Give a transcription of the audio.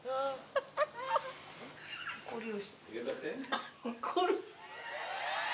これ。